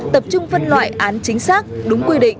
tập trung phân loại án chính xác đúng quy định